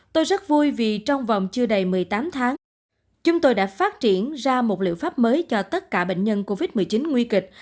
tôi rất vui vì trong vòng chưa đầy một mươi tám tháng chúng tôi đã phát triển ra một liệu pháp mới cho tất cả bệnh nhân covid một mươi chín nguy kịch